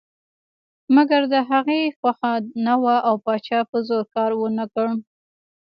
مګر د هغې خوښه نه وه او پاچا په زور کار ونه کړ.